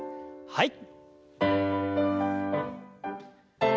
はい。